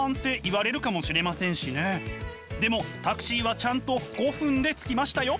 でもタクシーはちゃんと５分で着きましたよ。